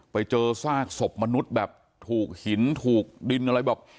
ไปเจอซากศพมนุษย์แบบถูกหินถูกดินอะไรแบบ